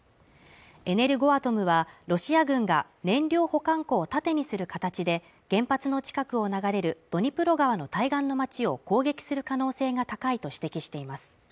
エネルゴアトムはロシア軍が燃料保管庫を盾にする形で原発の近くを流れるドニプロ川の対岸の町を攻撃する可能性が高いと指摘しています